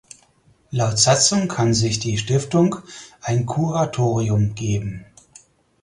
Laut Satzung kann sich die Stiftung ein Kuratorium geben.